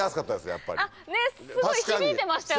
すごい響いてましたよね。